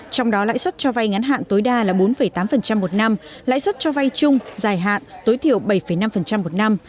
trong đó lãi suất cho vay ngắn hạn tối đa là bốn tám một năm lãi suất cho vay chung dài hạn tối thiểu bảy năm một năm